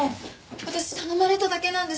私頼まれただけなんです。